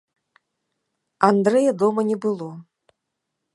Андрэя дома не было.